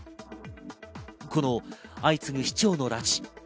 この相次ぐ市長の拉致。